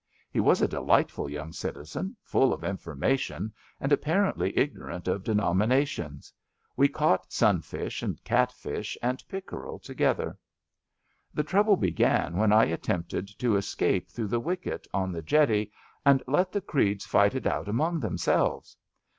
He was a delightful young citizen, full of information and apparently ignorant of denomina tions. We caught sunfish and catfish and pickerel together. The trouble began when I attempted to escape through the wicket on the jetty and let the creeds fight it out among themselves.